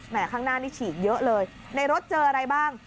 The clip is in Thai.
ข้างหน้านี่ฉีกเยอะเลยในรถเจออะไรบ้าง